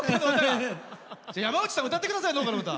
山内さん歌ってください、農家の歌。